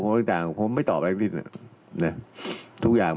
ผมก็หลังจากนี้จะทำเรื่องผม